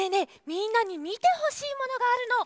みんなにみてほしいものがあるの。